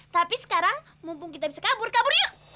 tapi sekarang mumpung kita bisa kabur kabur yuk